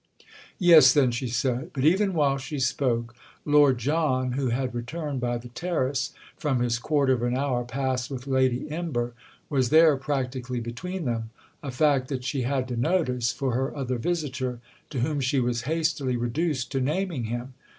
"Yes then," she said; but even while she spoke Lord John, who had returned, by the terrace, from his quarter of an hour passed with Lady Imber, was there practically between them; a fact that she had to notice for her other visitor, to whom she was hastily reduced to naming him.